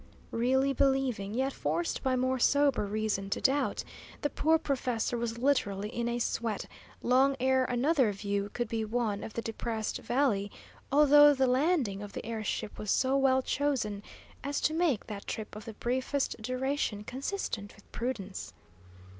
Really believing, yet forced by more sober reason to doubt, the poor professor was literally "in a sweat" long ere another view could be won of the depressed valley, although the landing of the air ship was so well chosen as to make that trip of the briefest duration consistent with prudence.